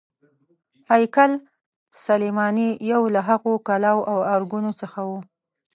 هیکل سلیماني یو له هغو کلاوو او ارګونو څخه و.